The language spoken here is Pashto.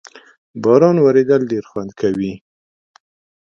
باران ورېدل ډېر خوند کوي